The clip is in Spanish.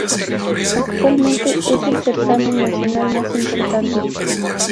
Actualmente es el certamen nacional más importante.